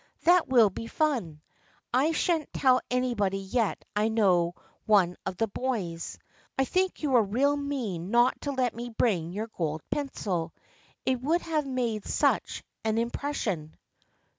That will be fun. I shan't tell anybody yet I know one of the boys. I think you were real mean not to let me bring your gold pencil. It would have made such an impression.